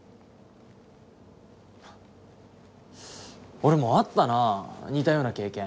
俺もあったな似たような経験。